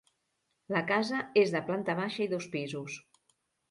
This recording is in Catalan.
La casa és de planta baixa i dos pisos.